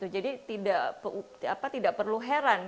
jadi tidak perlu heran